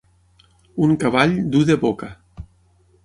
Un cavall dur de boca.